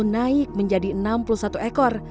naik menjadi enam puluh satu ekor